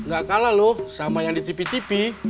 gak kalah loh sama yang di tipi tipi